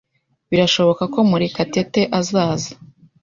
Birashoboka ko Murekatete azaza.